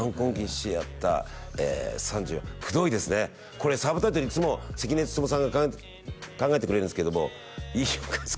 これサブタイトルいつも関根勤さんが考えてくれるんですけども「飯尾和樹